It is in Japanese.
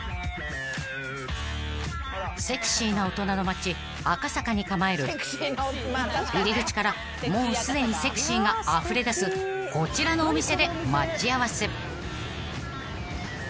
［セクシーな大人の街赤坂に構える入り口からもうすでにセクシーがあふれ出すこちらのお店で待ち合わせ］